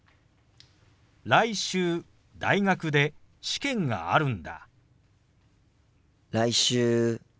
来週大学で試験があるんだ。